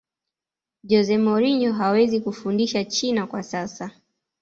jose mourinho hawezi kufundisha china kwa sasa